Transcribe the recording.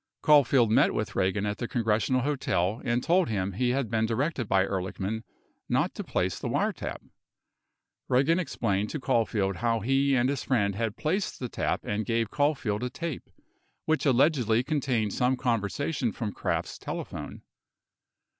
25 Caulfield met with Eagan at the Congressional Hotel and told him he had been di rected by Ehrlichman not to place the wiretap. Eagan explained to Caulfield how he and his friend had placed the tap and gave Caulfield a tape which allegedly contained some conversation from Kraft's tele phone.